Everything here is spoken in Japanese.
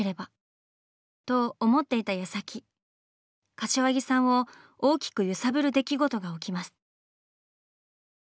柏木さんを大きく揺さぶる出来事が起きます。